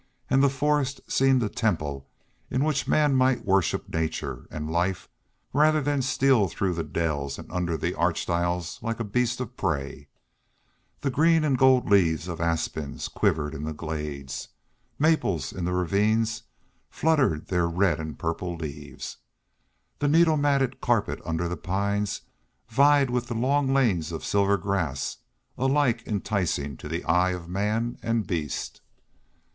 And the forest seemed a temple in which man might worship nature and life rather than steal through the dells and under the arched aisles like a beast of prey. The green and gold leaves of aspens quivered in the glades; maples in the ravines fluttered their red and purple leaves. The needle matted carpet under the pines vied with the long lanes of silvery grass, alike enticing to the eye of man and beast.